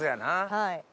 はい。